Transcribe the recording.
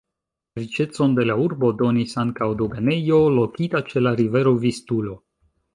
Riĉecon de la urbo donis ankaŭ doganejo lokita ĉe la rivero Vistulo.